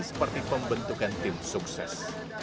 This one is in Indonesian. seperti pembentukan tim sukses